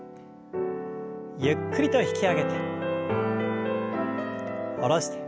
ゆっくりと引き上げて下ろして。